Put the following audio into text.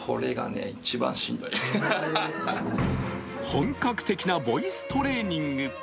本格的なボイストレーニング。